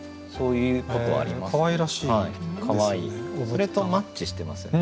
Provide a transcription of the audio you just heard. それとマッチしてますよね。